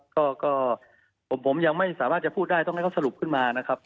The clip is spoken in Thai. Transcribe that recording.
ก็ผมยังไม่สามารถจะพูดได้ต้องให้เขาสรุปขึ้นมานะครับ